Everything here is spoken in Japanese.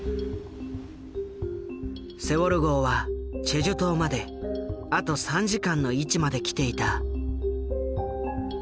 セウォル号はチェジュ島まであと３時間の位置まで来ていた。